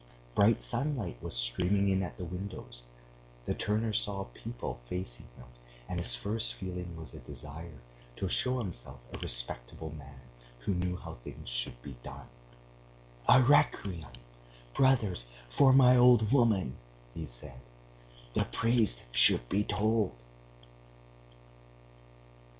Bright sunlight was streaming in at the windows. The turner saw people facing him, and his first feeling was a desire to show himself a respectable man who knew how things should be done. "A requiem, brothers, for my old woman," he said. "The priest should be told...."